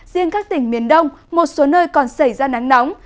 riêng các tỉnh miền đông một số nơi còn xảy ra nắng nóng